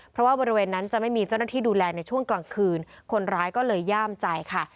เพราะว่าบริเวณนั้นจะไม่มีเจ้าหน้าที่ดูแลในช่วงกลางคืนคนร้ายก็เลยย่ามใจค่ะ